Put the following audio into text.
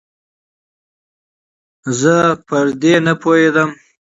زه پر دې نپوهېدم